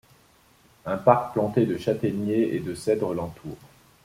Un parc planté de châtaigniers et de cèdres l'entoure.